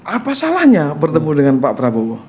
apa salahnya bertemu dengan pak prabowo